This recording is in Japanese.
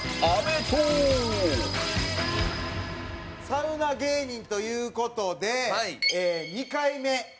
サウナ芸人という事で２回目。